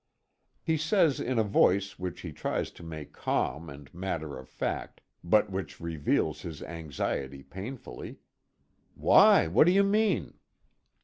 He says in a voice which he tries to make calm and matter of fact, but which reveals his anxiety painfully: "Why, what do you mean?"